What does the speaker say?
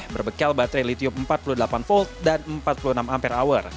berbekal baterai litium empat puluh delapan v dan empat puluh enam ah